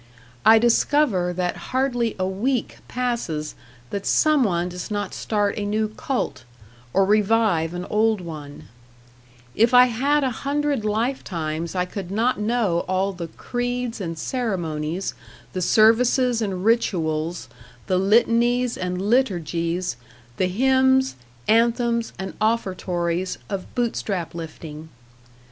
I discover that hardly a week passes that some one does not start a new cult, or revive an old one; if I had a hundred life times I could not know all the creeds and ceremonies, the services and rituals, the litanies and liturgies, the hymns, anthems and offertories of Bootstrap lifting.